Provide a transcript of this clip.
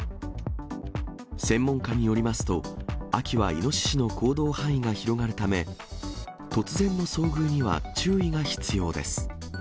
専門家によりますと、秋はイノシシの行動範囲が広がるため、突然の遭遇には注意が必要です。